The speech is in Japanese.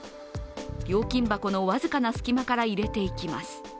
料金箱の僅かな隙間から入れていきます。